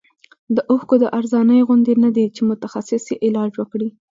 د اوښکو د ارزانۍ غوندې نه دی چې متخصص یې علاج وکړي.